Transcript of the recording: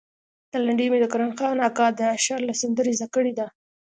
دا لنډۍ مې د کرم خان اکا د اشر له سندرې زده کړې ده.